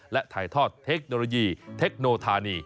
และถ่ายทอดเทคโนโลยีเทคโนธานี